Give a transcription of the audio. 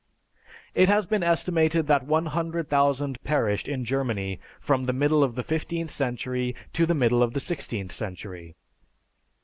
It has been estimated that one hundred thousand perished in Germany from the middle of the fifteenth century to the middle of the sixteenth century.